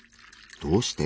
どうして？